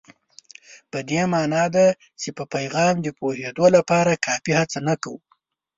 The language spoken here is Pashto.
په دې مانا ده چې په پیغام د پوهېدو لپاره کافي هڅه نه کوو.